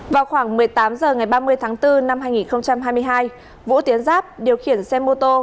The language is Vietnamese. vào khoảng một mươi tám h ngày ba mươi tháng bốn năm hai nghìn hai mươi hai vũ tiến giáp điều khiển xe mô tô